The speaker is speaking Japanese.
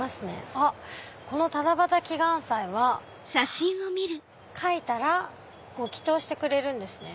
あっこの七夕祈願祭は書いたらご祈とうしてくれるんですね。